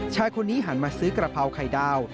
ชายคนนี้หันมาซื้อกระเพราไข่ดาว